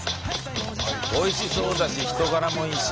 おいしそうだし人柄もいいし。